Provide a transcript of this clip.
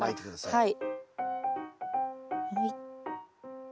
はい。